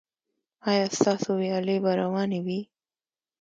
ایا ستاسو ویالې به روانې وي؟